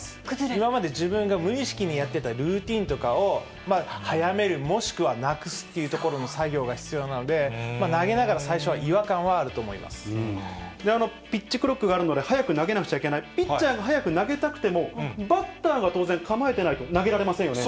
今まで自分が無意識にやってたルーティンとかを早める、もしくはなくすっていうところの作業が必要なので、投げながら最ピッチクロックがあるので、早く投げなくてはいけない、ピッチャーが早く投げたくても、バッターが当然、構えてないと投げられませんよね。